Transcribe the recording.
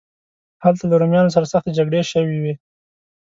هلته له رومیانو سره سختې جګړې شوې وې.